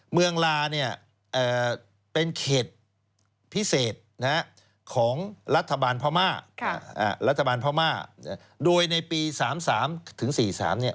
เมืองลาเป็นเข็ดพิเศษของรัฐบาลพม่าโดยในปี๓๓ถึง๔๓เนี่ย